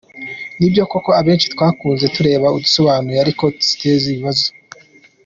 Nibyo koko abenshi twakuze tureba udusobanuye ariko ziteje ibibazo.